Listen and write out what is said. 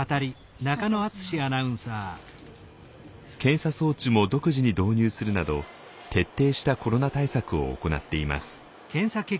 検査装置も独自に導入するなど徹底したコロナ対策を行っています。